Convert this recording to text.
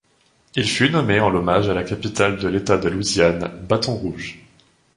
Il fut nommé en hommage à la capitale de l'État de Louisiane, Bâton-Rouge.